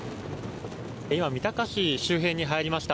今、三鷹市周辺に入りました。